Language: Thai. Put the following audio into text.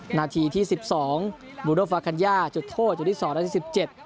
หน้าทีที่๑๒บุรุธฟาคัญญาจุดโทษจุดที่๒หน้าที๑๗